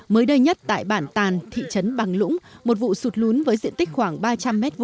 mới đây nhất tại bản tàn thị trấn bằng lũng một vụ sụt lún với diện tích khoảng ba trăm linh m hai